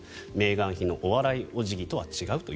メーガン妃のお笑いお辞儀とは違うと。